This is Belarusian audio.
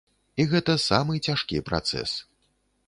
І гэта самы цяжкі працэс.